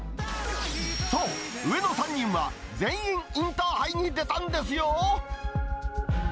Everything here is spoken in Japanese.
そう、上の３人は全員インターハイに出たんですよ。